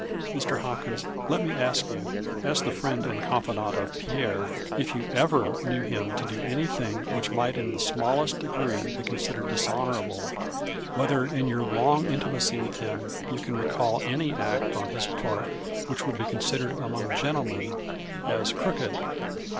" Mr. Hopkins, let me ask you, as^the friend and confidant of Pierre, if you ever knew him to do anything which might in the smallest de gree be considered dishonorable ; whether, in your long intimacy with him, you can recall any act on his part which would be considered among gentlemen as ' crooked